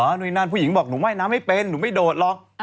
นู่นนั่นผู้หญิงบอกหนูว่ายน้ำไม่เป็นหนูไม่โดดหรอก